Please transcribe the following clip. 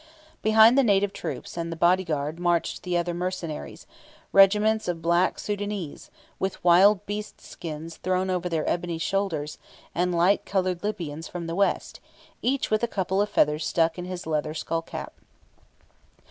Behind the native troops and the bodyguard marched the other mercenaries regiments of black Soudanese, with wild beast skins thrown over their ebony shoulders; and light coloured Libyans from the West, each with a couple of feathers stuck in his leather skull cap.